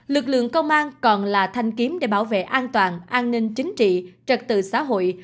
lực lượng công an còn là thanh kiếm để bảo vệ an toàn an ninh chính trị trật tự xã hội